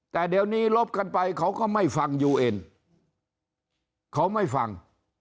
แต่เดี๋ยวนี้ลบกันไปเขาก็ไม่ฟังยูเอ็นเขาไม่ฟัง